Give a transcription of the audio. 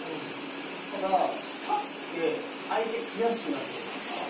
ただ勝って相手悔しくなってるじゃないですか。